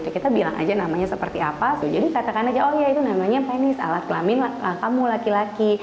kita bilang aja namanya seperti apa jadi katakan aja oh iya itu namanya penis alat kelamin kamu laki laki